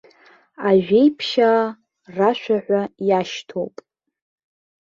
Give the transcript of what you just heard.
Ажәеиԥшьаа рашәа ҳәа, иашьҭоуп.